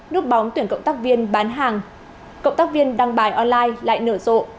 nước bóng tuyển cộng tác viên bán hàng cộng tác viên đăng bài online lại nửa rộ